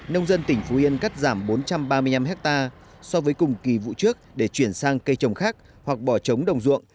nông dân tỉnh phú yên cắt giảm bốn trăm ba mươi năm hectare so với cùng kỳ vụ trước để chuyển sang cây trồng khác hoặc bỏ trống đồng ruộng